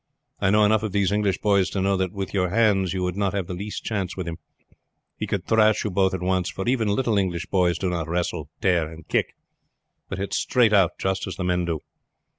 I know enough of these English boys to know that with your hands you would not have the least chance with him. He could thrash you both at once; for even little English boys do not wrestle, tear, and kick, but hit straight out just as the men do.